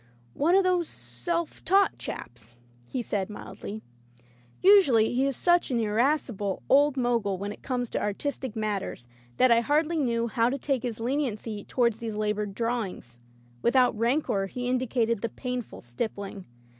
"One of those self taught chaps," he said mildly. Usually he is such an irascible old Mogul when it comes to artistic matters that I hardly knew how to take his leniency tow ard these labored drawings. Without rancor he indicated the painful stippling.